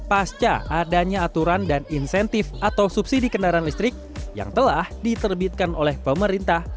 pasca adanya aturan dan insentif atau subsidi kendaraan listrik yang telah diterbitkan oleh pemerintah